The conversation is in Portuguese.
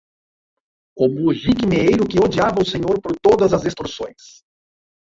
o mujique meeiro que odiava o senhor por todas as extorsões